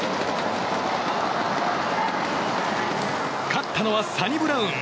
勝ったのはサニブラウン！